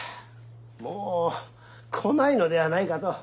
もう来ないのではないかと。